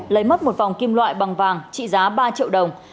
lấy mất một vòng kim loại bằng vàng trị giá ba triệu đồng